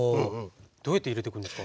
どうやって入れてくんですか？